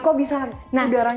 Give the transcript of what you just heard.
kok bisa udaranya